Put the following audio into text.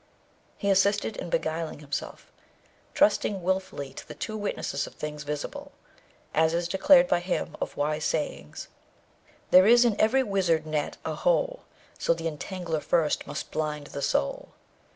He assisted in beguiling himself, trusting wilfully to the two witnesses of things visible; as is declared by him of wise sayings: There is in every wizard net a hole, So the entangler first must blind the soul.